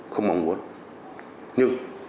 không mong muốn nhưng